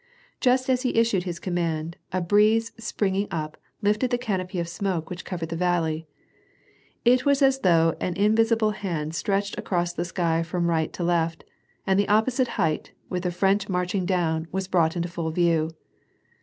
Just as he issued his command, a breeze springing up lifted the canopy of smoke which covered the valley. It was as though an invisible hand stretched across the sky from right to left, and the opposite height, with the French marching down, was brought into full view.